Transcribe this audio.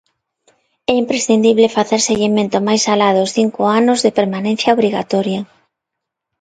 É imprescindible facer seguimento máis alá dos cinco anos de permanencia obrigatoria.